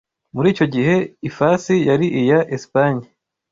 Muri icyo gihe, ifasi yari iya Espanye.